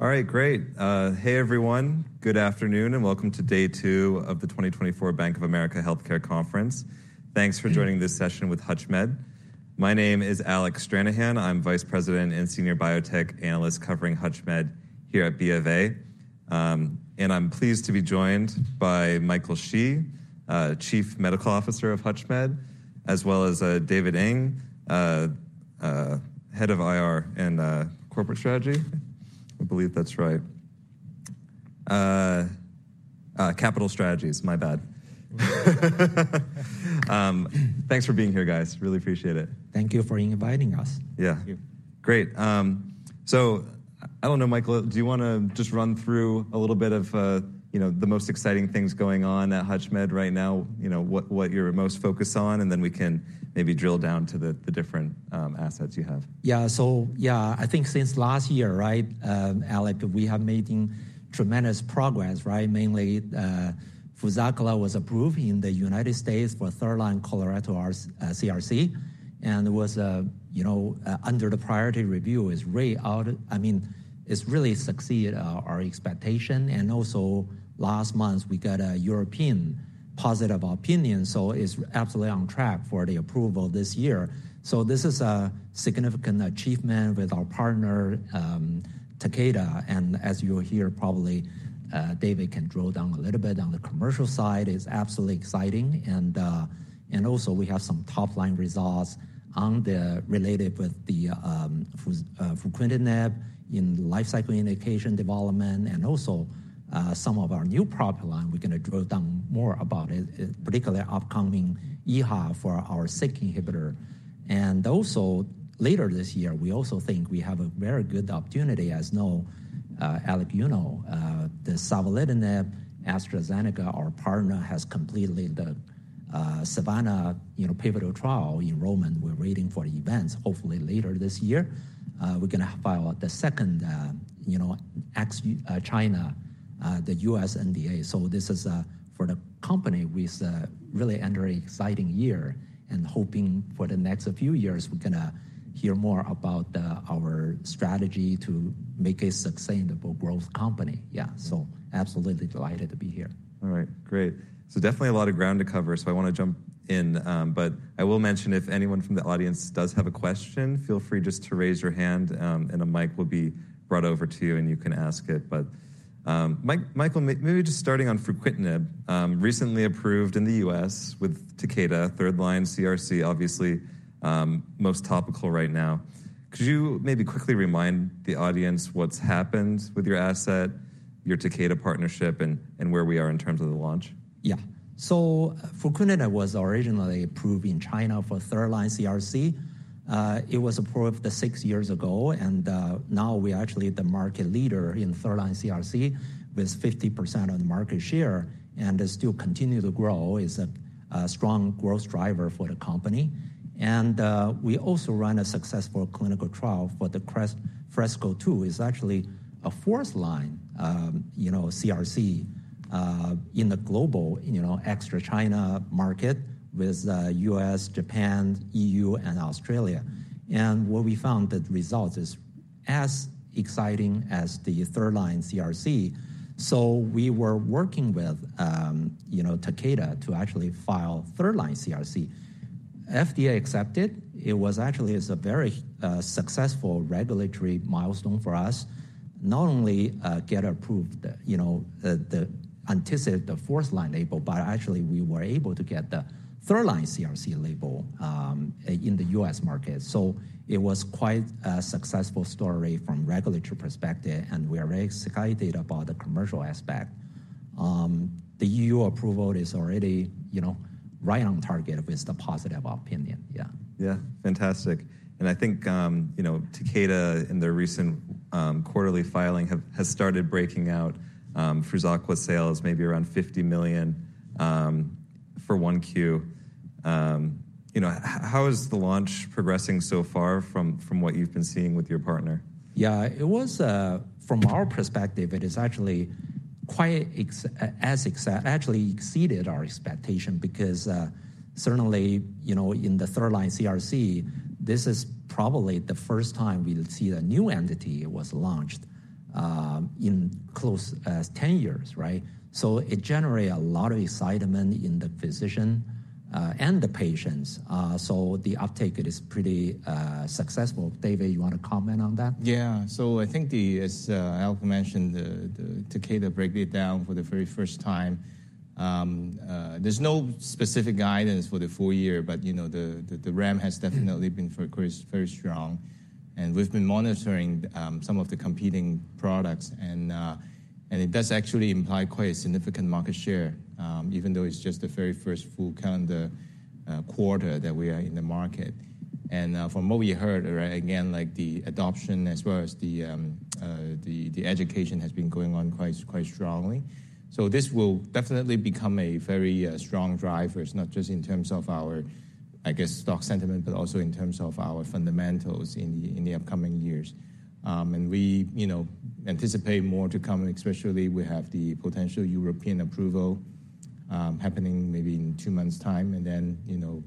All right, great. Hey, everyone. Good afternoon, and welcome to day two of the 2024 Bank of America Healthcare Conference. Thanks for joining this session with HUTCHMED. My name is Alec Stranahan. I'm Vice President and Senior Biotech Analyst covering HUTCHMED here at BofA. And I'm pleased to be joined by Michael Shi, Chief Medical Officer of HUTCHMED, as well as David Ng, Head of IR and Corporate Strategy. I believe that's right. Capital Strategies. My bad. Thanks for being here, guys. Really appreciate it. Thank you for inviting us. Yeah. Thank you. Great. So I don't know, Michael, do you wanna just run through a little bit of, you know, the most exciting things going on at HUTCHMED right now, you know, what, what you're most focused on? And then we can maybe drill down to the, the different, assets you have. Yeah. So, yeah, I think since last year, right, Alec, we have making tremendous progress, right? Mainly, FRUZAQLA was approved in the United States for third-line colorectal, CRC, and was, you know, under the priority review, is really I mean, it's really succeed our expectation. And also, last month, we got a European positive opinion, so is absolutely on track for the approval this year. So this is a significant achievement with our partner, Takeda, and as you're here, probably, David can drill down a little bit on the commercial side. It's absolutely exciting, and, and also we have some top-line results on the related with the fruquintinib in life cycle indication development and also some of our new pipeline. We're gonna drill down more about it, particularly upcoming EHA for our SYK inhibitor. And also, later this year, we also think we have a very good opportunity, as you know, Alec, you know, the savolitinib, AstraZeneca, our partner, has completed the, SAVANNAH, you know, pivotal trial enrollment. We're waiting for the events, hopefully later this year. We're gonna file the second, you know, ex-China, the U.S. NDA. So this is, for the company, we is really enter an exciting year and hoping for the next few years, we're gonna hear more about, our strategy to make a sustainable growth company. Yeah, so absolutely delighted to be here. All right, great. So definitely a lot of ground to cover, so I want to jump in. But I will mention if anyone from the audience does have a question, feel free just to raise your hand, and a mic will be brought over to you, and you can ask it. But, Mike, Michael, maybe just starting on fruquintinib, recently approved in the U.S. with Takeda, third-line CRC, obviously, most topical right now. Could you maybe quickly remind the audience what's happened with your asset, your Takeda partnership, and, and where we are in terms of the launch? Yeah. So fruquintinib was originally approved in China for third-line CRC. It was approved six years ago, and now we are actually the market leader in third-line CRC, with 50% of the market share and still continue to grow. It's a strong growth driver for the company. And we also run a successful clinical trial for the FRESCO-2, is actually a fourth-line, you know, CRC, in the global, you know, ex-China market with US, Japan, EU, and Australia. And what we found, the results is as exciting as the third-line CRC. So we were working with you know, Takeda to actually file third-line CRC. FDA accepted. It was actually, it's a very successful regulatory milestone for us. Not only get approved, you know, the anticipated fourth-line label, but actually we were able to get the third-line CRC label in the U.S. market. So it was quite a successful story from regulatory perspective, and we are very excited about the commercial aspect. The EU approval is already, you know, right on target with the positive opinion. Yeah. Yeah, fantastic. And I think, you know, Takeda, in their recent quarterly filing, has started breaking out for FRUZAQLA sales, maybe around $50 million for 1Q. You know, how is the launch progressing so far from what you've been seeing with your partner? Yeah, it was. From our perspective, it is actually quite actually exceeded our expectation because, certainly, you know, in the third-line CRC, this is probably the first time we see a new entity was launched in close to 10 years, right? So it generate a lot of excitement in the physician and the patients. So the uptake, it is pretty successful. David, you want to comment on that? Yeah. So I think the, as Alec mentioned, the, the Takeda breakdown for the very first time. There's no specific guidance for the full year, but, you know, the, the, the ramp has definitely been very robust, very strong, and we've been monitoring some of the competing products, and, and it does actually imply quite a significant market share, even though it's just the very first full calendar quarter that we are in the market. And from what we heard, right, again, like, the adoption as well as the, the education has been going on quite, quite strongly. So this will definitely become a very strong driver. It's not just in terms of our, I guess, stock sentiment, but also in terms of our fundamentals in the upcoming years. We, you know, anticipate more to come, especially we have the potential European approval.... happening maybe in two months' time, and then, you know,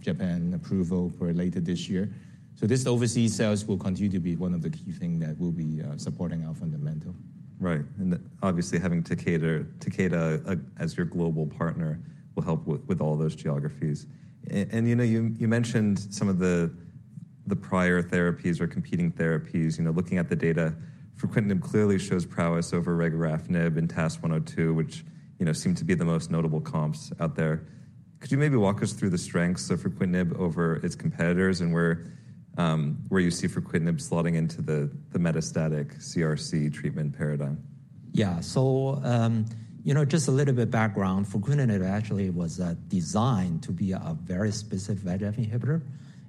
Japan approval for later this year. So this overseas sales will continue to be one of the key things that will be supporting our fundamental. Right, and obviously, having Takeda as your global partner will help with all those geographies. And you know, you mentioned some of the prior therapies or competing therapies. You know, looking at the data, fruquintinib clearly shows prowess over regorafenib in TAS-102, which, you know, seem to be the most notable comps out there. Could you maybe walk us through the strengths of fruquintinib over its competitors and where you see fruquintinib slotting into the metastatic CRC treatment paradigm? Yeah. So, you know, just a little bit background. Fruquintinib actually was designed to be a very specific VEGF inhibitor.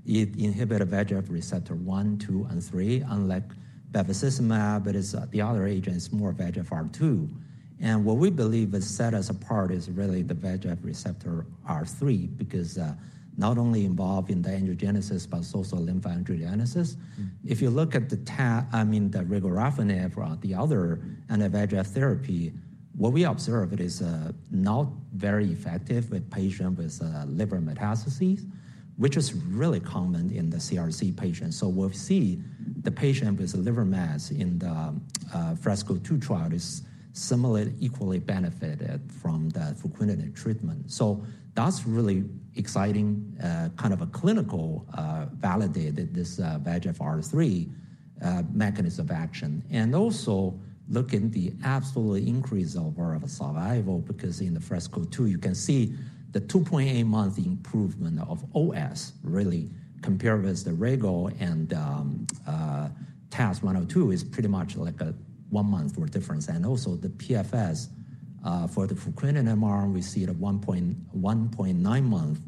It inhibited VEGF receptor one, two, and three, unlike bevacizumab, but it's the other agent is more VEGFR2. And what we believe has set us apart is really the VEGF receptor R3, because not only involved in the angiogenesis, but also lymphangiogenesis. Mm. If you look at the regorafenib, the other anti-VEGF therapy, what we observed is not very effective with patient with liver metastases, which is really common in the CRC patient. So we'll see the patient with liver mass in the FRESCO-2 trial is similarly equally benefited from the fruquintinib treatment. So that's really exciting, kind of a clinical validated this VEGFR3 mechanism of action. And also look in the absolute increase of survival, because in the FRESCO-2, you can see the 2.8-month improvement of OS, really, compared with the regorafenib and TAS-102 is pretty much like a 1-month worth difference. And also the PFS for the fruquintinib mCRC, we see it at 1.9-month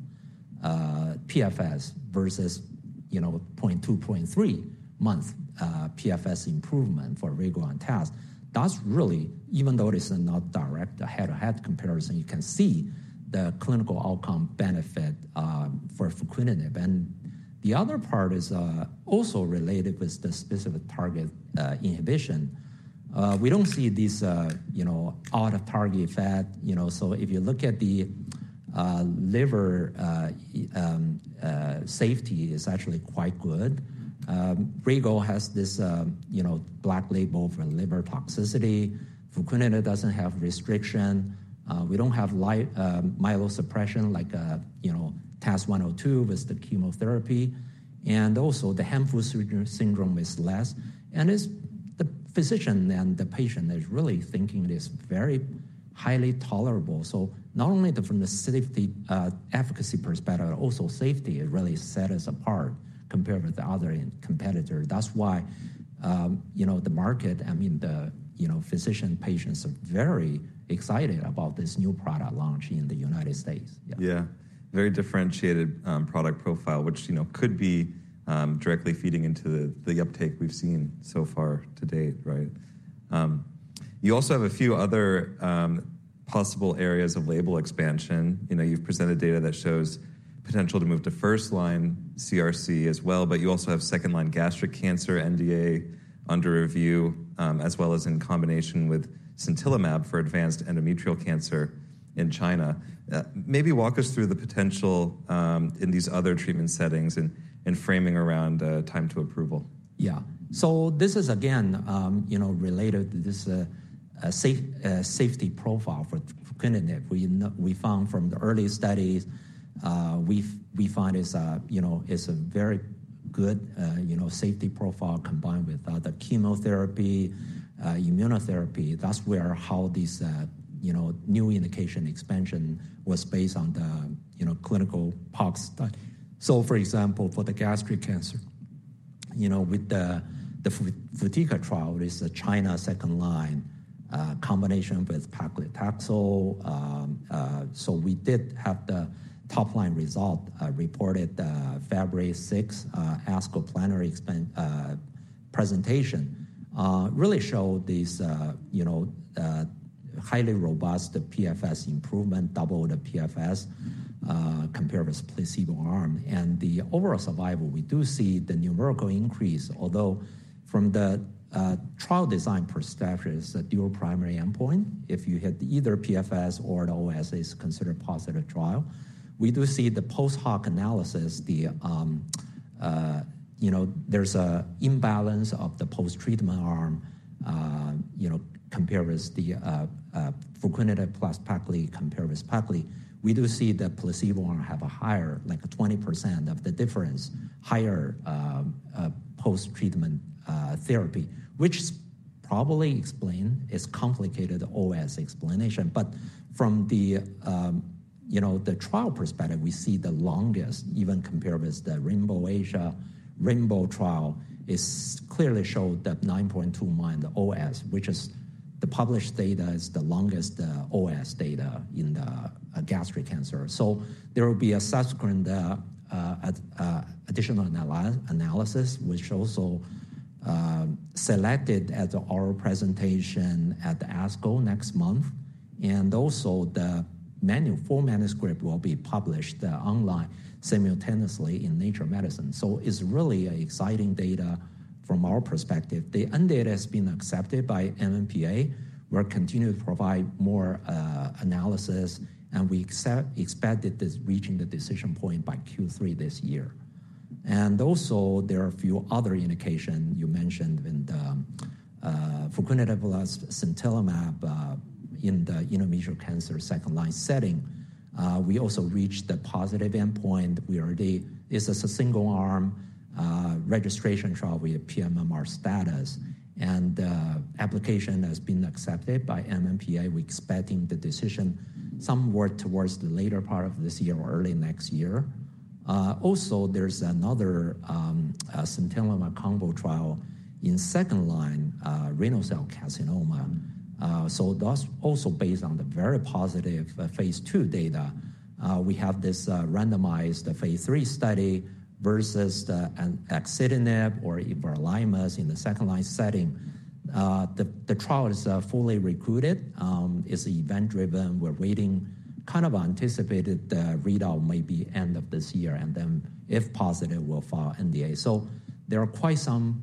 PFS versus, you know, 0.2-0.3-month PFS improvement for regorafenib and TAS-102. That's really even though it is not direct, a head-to-head comparison, you can see the clinical outcome benefit for fruquintinib. And the other part is also related with the specific target inhibition. We don't see this, you know, off-target effect, you know. So if you look at the liver safety is actually quite good. Regorafenib has this, you know, black box for liver toxicity. Fruquintinib doesn't have restriction. We don't have severe myelosuppression like, you know, TAS-102 with the chemotherapy. Also the hand-foot syndrome is less, and it's the physician and the patient is really thinking it is very highly tolerable. So not only from the safety, efficacy perspective, but also safety, it really set us apart compared with the other competitor. That's why, you know, the market, I mean, the, you know, physician, patients are very excited about this new product launch in the United States. Yeah. Yeah. Very differentiated product profile, which, you know, could be directly feeding into the uptake we've seen so far to date, right? You also have a few other possible areas of label expansion. You know, you've presented data that shows potential to move to first-line CRC as well, but you also have second-line gastric cancer, NDA under review, as well as in combination with sintilimab for advanced endometrial cancer in China. Maybe walk us through the potential in these other treatment settings and framing around time to approval. Yeah. So this is again, you know, related to this, safety profile for fruquintinib. We know. We found from the early studies, we find is a, you know, is a very good, you know, safety profile combined with other chemotherapy, immunotherapy. That's how this, you know, new indication expansion was based on the, you know, clinical parts. So for example, for the gastric cancer, you know, with the FRUTIGA trial is a China second-line, combination with paclitaxel. So we did have the top-line result reported February sixth ASCO plenary expansion presentation. Really showed this, you know, highly robust PFS improvement, double the PFS, compared with placebo arm. And the overall survival, we do see the numerical increase, although from the trial design perspective, it's a dual primary endpoint. If you had either PFS or an OS, is considered positive trial. We do see the post-hoc analysis, you know, there's a imbalance of the post-treatment arm, you know, compared with the fruquintinib plus paclitaxel, compared with paclitaxel. We do see the placebo arm have a higher, like a 20% of the difference, higher post-treatment therapy, which probably explain, is complicated OS explanation. But from the trial perspective, we see the longest, even compared with the RAINBOW-Asia. RAINBOW trial is clearly showed that 9.2 month OS, which is the published data, is the longest OS data in the gastric cancer. So there will be a subsequent additional analysis, which also selected at the oral presentation at the ASCO next month. And also the main full manuscript will be published online simultaneously in Nature Medicine. So it's really exciting data. From our perspective, the NDA has been accepted by NMPA. We're continuing to provide more analysis, and we expected this reaching the decision point by Q3 this year. And also, there are a few other indication you mentioned in the fruquintinib sintilimab in the urothelial cancer second-line setting. We also reached the positive endpoint. This is a single-arm registration trial via pMMR status, and the application has been accepted by NMPA. We're expecting the decision somewhere towards the later part of this year or early next year. Also, there's another sintilimab combo trial in second-line renal cell carcinoma. So that's also based on the very positive phase II data. We have this randomized phase III study versus an axitinib or everolimus in the second-line setting. The trial is fully recruited. It's event-driven. We're waiting, kind of anticipated the readout may be end of this year, and then if positive, we'll file NDA. So there are quite some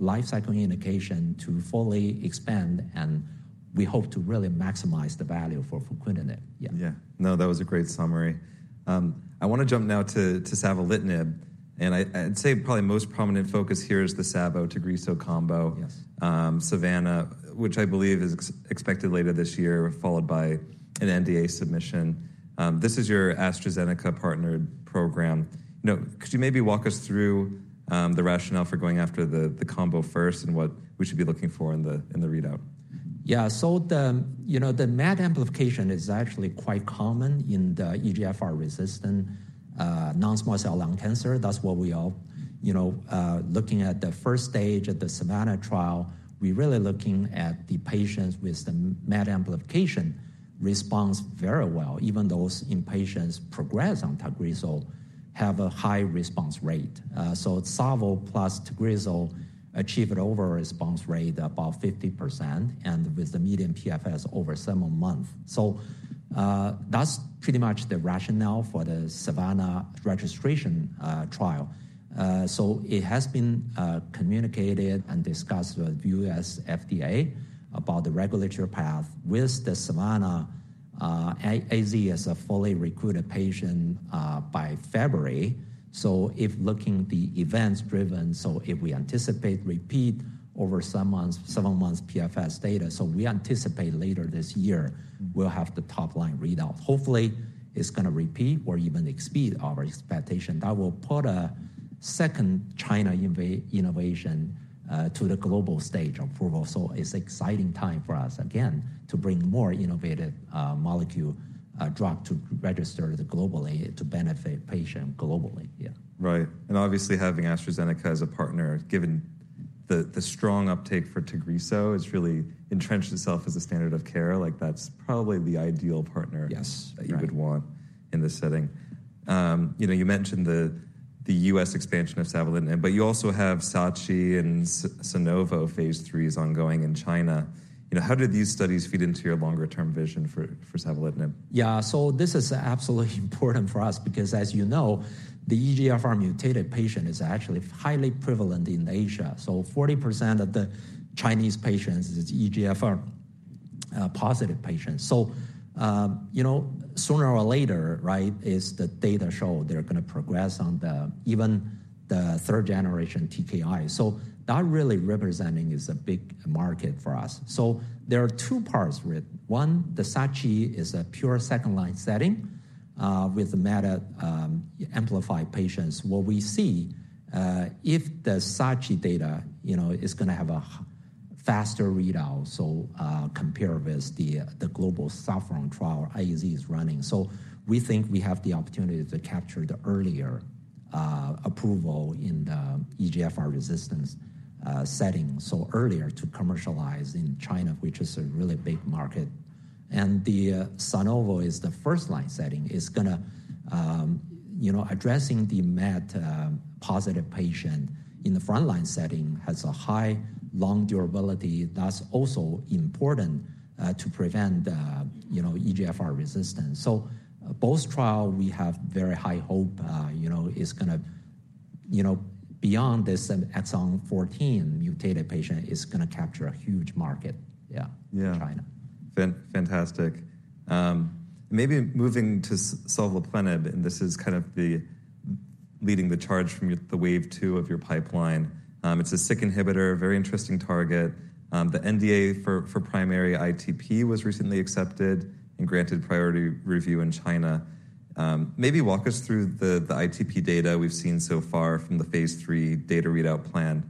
lifecycle indications to fully expand, and we hope to really maximize the value for fruquintinib. Yeah. Yeah. No, that was a great summary. I want to jump now to savolitinib, and I, I'd say probably most prominent focus here is the savo Tagrisso combo. Yes. Savannah, which I believe is expected later this year, followed by an NDA submission. This is your AstraZeneca partnered program. You know, could you maybe walk us through the rationale for going after the combo first and what we should be looking for in the readout? Yeah. So the, you know, the MET amplification is actually quite common in the EGFR resistant, non-small cell lung cancer. That's what we all, you know, looking at the first stage of the SAVANNAH trial, we're really looking at the patients with the MET amplification responds very well, even those in patients progress on Tagrisso have a high response rate. So savo plus Tagrisso achieved an over response rate about 50%, and with the median PFS over seven month. So, that's pretty much the rationale for the SAVANNAH registration, trial. So it has been, communicated and discussed with U.S. FDA about the regulatory path with the SAVANNAH. A- AZ is a fully recruited patient, by February. So if looking the events driven, so if we anticipate, repeat over some months, seven months PFS data, so we anticipate later this year, we'll have the top line readout. Hopefully, it's gonna repeat or even exceed our expectation. That will put a second China innovation to the global stage approval. So it's exciting time for us, again, to bring more innovative molecule drug to register the globally, to benefit patient globally. Yeah. Right. And obviously, having AstraZeneca as a partner, given the strong uptake for Tagrisso, has really entrenched itself as a standard of care. Like, that's probably the ideal partner- Yes. You would want in this setting. You know, you mentioned the U.S. expansion of savolitinib, but you also have SACHI and SANOVO phase IIIs ongoing in China. You know, how do these studies feed into your longer-term vision for savolitinib? Yeah. So this is absolutely important for us because, as you know, the EGFR mutated patient is actually highly prevalent in Asia. So 40% of the Chinese patients is EGFR positive patients. So, you know, sooner or later, right, is the data show they're gonna progress on the, even the third-generation TKI. So that really representing is a big market for us. So there are two parts with: one, the SACHI is a pure second-line setting, with MET-amplified patients. What we see, if the SACHI data, you know, is gonna have a faster readout, so, compare with the, the global SAVANNAH trial AZ is running. So we think we have the opportunity to capture the earlier approval in the EGFR resistance setting, so earlier to commercialize in China, which is a really big market. And the SANOVO is the first-line setting, is gonna, you know, addressing the MET positive patient in the frontline setting has a high, long durability. That's also important to prevent the, you know, EGFR resistance. So both trial, we have very high hope, you know, is gonna, you know, beyond this and at some 14 mutated patient, is gonna capture a huge market- Yeah. in China. Fantastic. Maybe moving to sovleplenib, and this is kind of leading the charge from your wave two of your pipeline. It's a SYK inhibitor, a very interesting target. The NDA for primary ITP was recently accepted and granted priority review in China. Maybe walk us through the ITP data we've seen so far from the phase III data readout plan,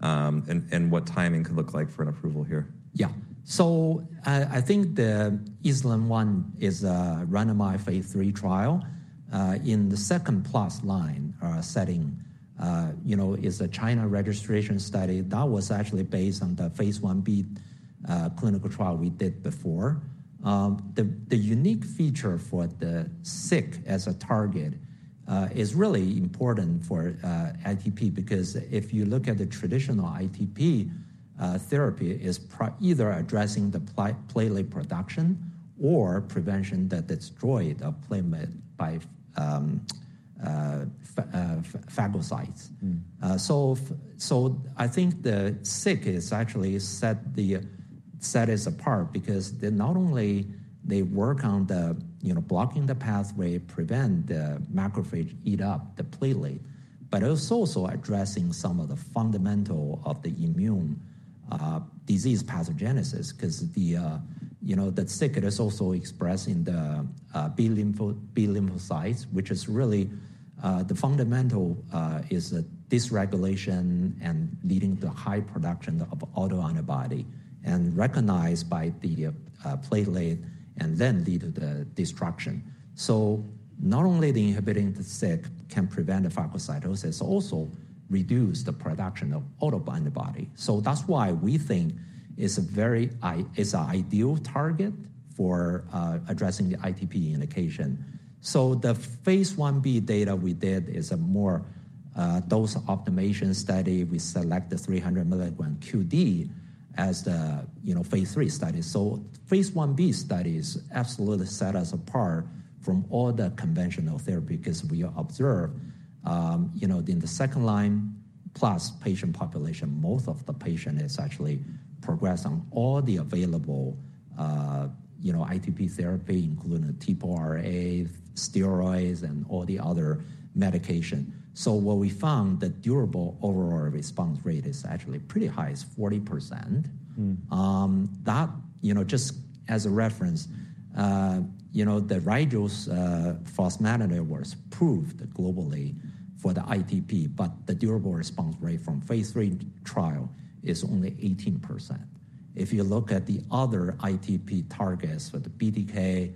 and what timing could look like for an approval here. Yeah. So I think the sovleplenib one is a randomized phase III trial in the second plus line setting, you know, is a China registration study. That was actually based on the phase Ib clinical trial we did before. The unique feature for the SYK as a target is really important for ITP, because if you look at the traditional ITP therapy is either addressing the platelet production or prevention that destroy the platelet by phagocytes. Mm. So, I think the SYK is actually sets us apart, because they not only work on the, you know, blocking the pathway, prevent the macrophage eat up the platelet, but it's also addressing some of the fundamental of the immune disease pathogenesis. 'Cause, you know, the SYK is also expressed in the B lymphocytes, which is really the fundamental is a dysregulation and leading to high production of autoantibody and recognized by the platelet and then lead to the destruction. So not only the inhibiting the SYK can prevent the phagocytosis, also reduce the production of autoantibody. So that's why we think it's a very it's an ideal target for addressing the ITP indication. So the phase 1b data we did is a more dose optimization study. We select the 300 milligram QD as the, you know, phase III study. So phase 1B study is absolutely set us apart from all the conventional therapy, 'cause we observe, you know, in the second line, plus patient population, most of the patient is actually progressed on all the available, you know, ITP therapy, including TPO-RA, steroids, and all the other medication. So what we found, the durable overall response rate is actually pretty high, it's 40%. Mm. That, you know, just as a reference, you know, the Rigel fostamatinib was approved globally for the ITP, but the durable response rate from phase III trial is only 18%. If you look at the other ITP targets for the BTK,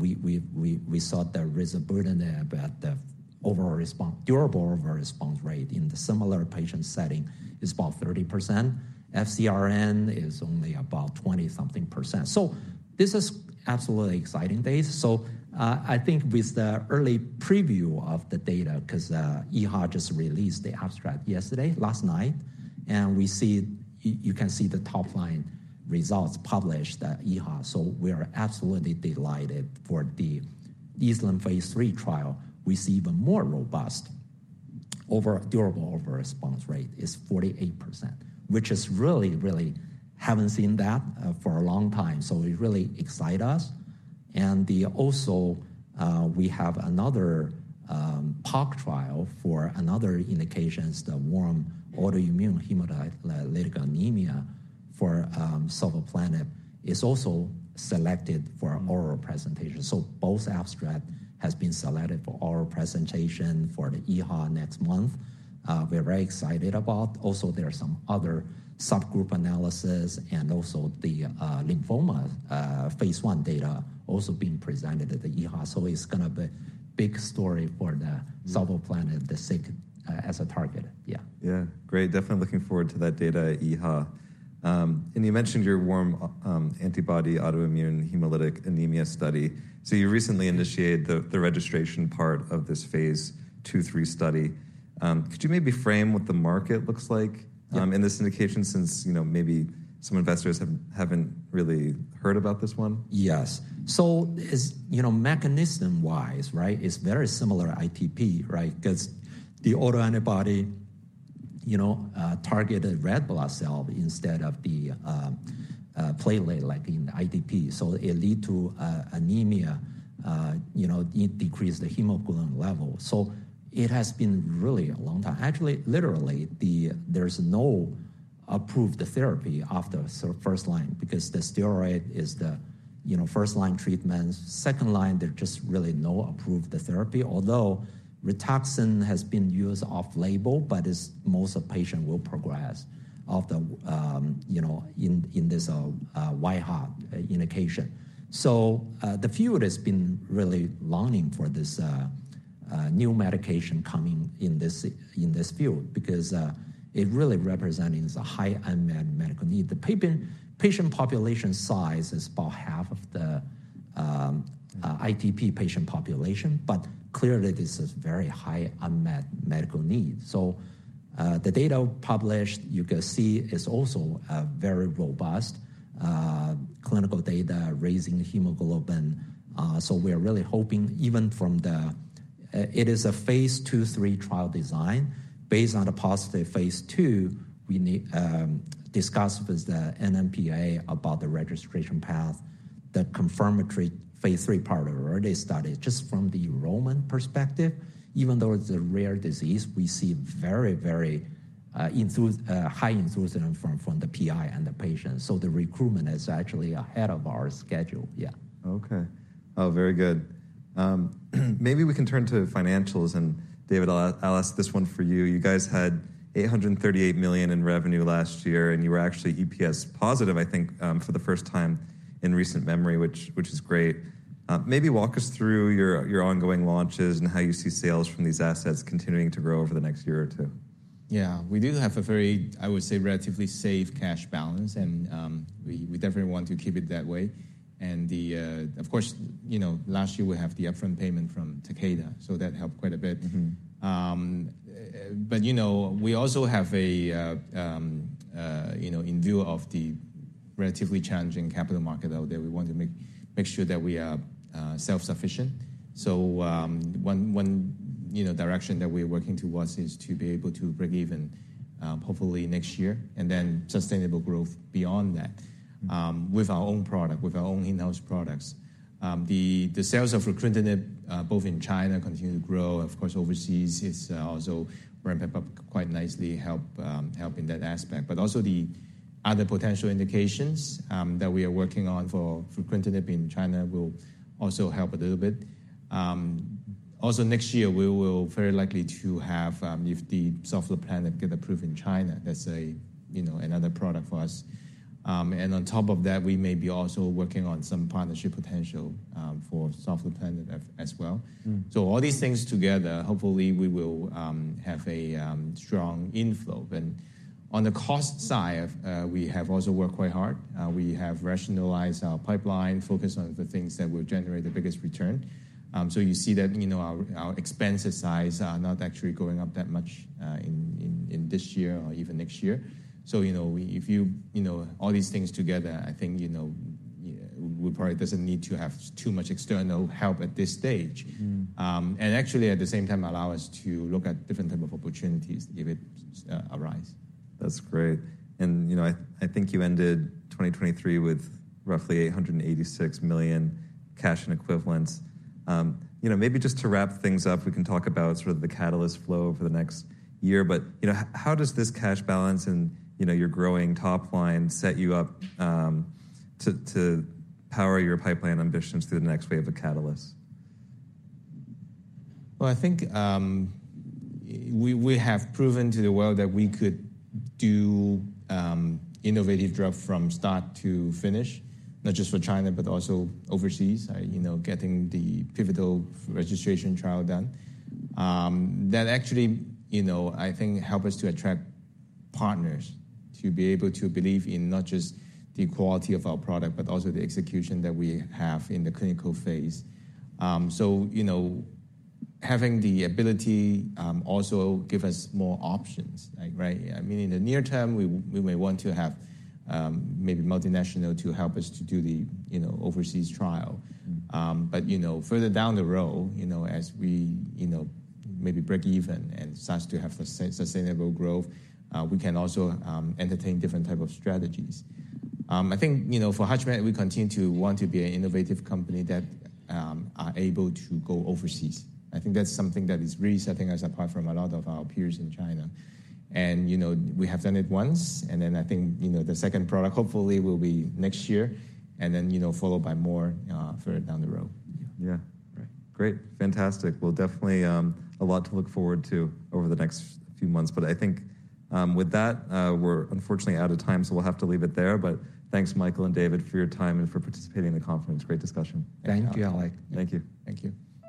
we saw there is a burden there, but the overall response, durable overall response rate in the similar patient setting is about 30%. FcRN is only about 20-something%. So this is absolutely exciting days. So, I think with the early preview of the data, 'cause, EHA just released the abstract yesterday, last night, and you can see the top line results published at EHA. So we are absolutely delighted for the landmark phase III trial. We see even more robust, durable overall response rate is 48%, which is really, really haven't seen that for a long time. So it really excite us. And also, we have another POC trial for another indications, the warm autoimmune hemolytic anemia for sovleplenib, is also selected for an oral presentation. So both abstract has been selected for oral presentation for the EHA next month. We're very excited about. Also, there are some other subgroup analysis and also the lymphoma phase 1 data also being presented at the EHA. So it's gonna be big story for the- Mm sovleplenib, the SYK, as a target. Yeah. Yeah. Great. Definitely looking forward to that data at EHA. And you mentioned your warm autoimmune hemolytic anemia study. So you recently initiated the registration part of this phase II, III study. Could you maybe frame what the market looks like? Yeah... in this indication, since, you know, maybe some investors haven't really heard about this one? Yes. So as you know, mechanism wise, right, it's very similar to ITP, right? Because the autoantibody, you know, targeted red blood cell instead of the, platelet, like in ITP. So it lead to, anemia, you know, it decrease the hemoglobin level. So it has been really a long time. Actually, literally, there's no approved therapy after first line, because the steroid is the, you know, first line treatment. Second line, there's just really no approved the therapy, although Rituxan has been used off label, but it's most of patient will progress of the, you know, in, in this, wAIHA indication. So, the field has been really longing for this, new medication coming in this, in this field, because, it really representing the high unmet medical need. The patient population size is about half of the ITP patient population, but clearly, this is very high unmet medical needs. So, the data published, you can see, is also a very robust clinical data, raising hemoglobin. So we are really hoping, even from the... It is a phase II, III trial design. Based on the positive phase II, we need to discuss with the NMPA about the registration path, that confirmatory phase III part of early study, just from the enrollment perspective. Even though it's a rare disease, we see very, very high enthusiasm from the PI and the patients. So the recruitment is actually ahead of our schedule. Yeah. Okay. Oh, very good. Maybe we can turn to financials, and David, I'll, I'll ask this one for you. You guys had $838 million in revenue last year, and you were actually EPS positive, I think, for the first time in recent memory, which, which is great. Maybe walk us through your, your ongoing launches and how you see sales from these assets continuing to grow over the next year or two. Yeah. We do have a very, I would say, relatively safe cash balance, and we definitely want to keep it that way. Of course, you know, last year we have the upfront payment from Takeda, so that helped quite a bit. Mm-hmm. But you know, we also have a you know, in view of the relatively challenging capital market out there, we want to make sure that we are self-sufficient. So, one you know, direction that we're working towards is to be able to break even, hopefully next year, and then sustainable growth beyond that, with our own product, with our own in-house products. The sales of fruquintinib both in China continue to grow, of course, overseas, it's also ramped up quite nicely, help in that aspect. But also the other potential indications that we are working on for fruquintinib in China will also help a little bit. Also next year, we will very likely to have, if the sovleplenib get approved in China, that's a you know, another product for us. On top of that, we may be also working on some partnership potential for sovleplenib as well. Mm. So all these things together, hopefully we will have a strong inflow. Then on the cost side, we have also worked quite hard. We have rationalized our pipeline, focused on the things that will generate the biggest return. So you see that, you know, our expenses size are not actually going up that much in this year or even next year. So, you know, if you, you know, all these things together, I think, you know, we probably doesn't need to have too much external help at this stage. Mm. Actually, at the same time, allow us to look at different type of opportunities if it arise. That's great. You know, I think you ended 2023 with roughly $886 million cash and equivalents. You know, maybe just to wrap things up, we can talk about sort of the catalyst flow over the next year. But, you know, how does this cash balance and, you know, your growing top line set you up to power your pipeline ambitions through the next wave of catalysts? Well, I think, we have proven to the world that we could do innovative drug from start to finish, not just for China, but also overseas, you know, getting the pivotal registration trial done. That actually, you know, I think help us to attract partners to be able to believe in not just the quality of our product, but also the execution that we have in the clinical phase. So, you know, having the ability also give us more options, like, right? I mean, in the near term, we may want to have maybe multinational to help us to do the, you know, overseas trial. Mm. But, you know, further down the road, you know, as we, you know, maybe break even and start to have sustainable growth, we can also entertain different type of strategies. I think, you know, for HUTCHMED, we continue to want to be an innovative company that are able to go overseas. I think that's something that is really setting us apart from a lot of our peers in China. And, you know, we have done it once, and then I think, you know, the second product hopefully will be next year, and then, you know, followed by more further down the road. Yeah. Right. Great. Fantastic. Well, definitely, a lot to look forward to over the next few months. But I think, with that, we're unfortunately out of time, so we'll have to leave it there. But thanks, Michael and David, for your time and for participating in the conference. Great discussion. Thank you, Alec. Thank you. Thank you.